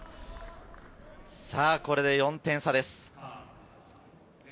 これで４点差です。